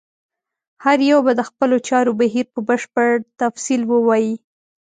هر یو به د خپلو چارو بهیر په بشپړ تفصیل ووایي.